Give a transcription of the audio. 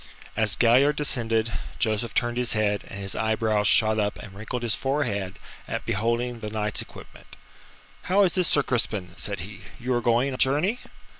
As Galliard descended, Joseph turned his head, and his eyebrows shot up and wrinkled his forehead at beholding the knight's equipment. "How is this, Sir Crispin?" said he. "You are going a journey?"